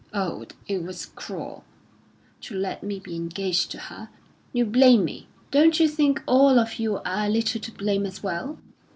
Oh, it was cruel to let me be engaged to her! You blame me; don't you think all of you are a little to blame as well?"